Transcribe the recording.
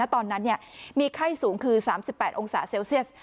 ตอนนั้นมีไข้สูงคือ๓๘องศาเซลเซียส